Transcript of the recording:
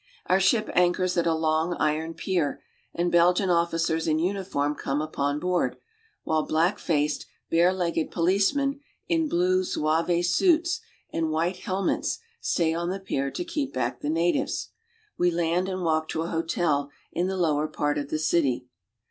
Our ship anchors at a long, iron pier, and Belgian officers in uniform come upon board, while black faced, barelegged policemen in blue Zouave suits and white helmets stay on the pier to keep back the natives. , We land and walk to a hotel in the lower part of the city.